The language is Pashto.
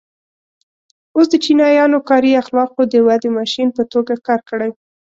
اوس د چینایانو کاري اخلاقو د ودې ماشین په توګه کار کړی.